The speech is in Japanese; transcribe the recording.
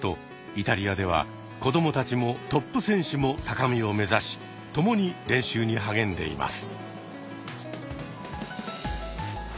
イタリアでは子どもたちもトップ選手も高みをめざし共に練習に励んでいます。